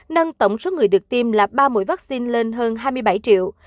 nâng tổng số người được tiêm là ba mũi vaccine lên hơn hai mươi bảy triệu